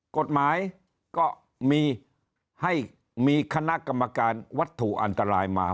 กฎหมายก็มีให้มีคณะกรรมการวัตถุอันตรายมา